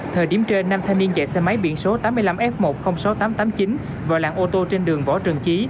thời điểm trên năm thanh niên chạy xe máy biển số tám mươi năm f một trăm linh sáu nghìn tám trăm tám mươi chín vào làng ô tô trên đường võ trần trí